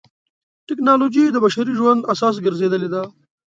ټکنالوجي د بشري ژوند اساس ګرځېدلې ده.